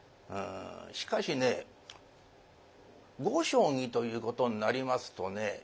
しかしね碁将棋ということになりますとね